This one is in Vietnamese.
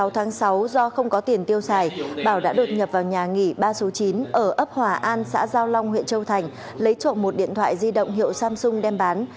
sáu tháng sáu do không có tiền tiêu xài bảo đã đột nhập vào nhà nghỉ ba số chín ở ấp hòa an xã giao long huyện châu thành lấy trộm một điện thoại di động hiệu samsung đem bán